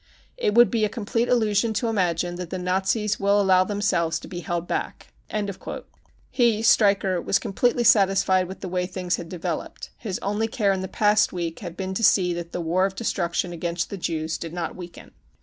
It would be a complete illusion to imagine that the Nazis will allow themselves to be held back.'' (He, Stretcher, was completely satisfied with the way things had developed ; his only care in the past week had been to see that the war of destruction against the Jews did not weaken.)